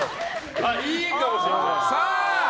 いいかもしれない。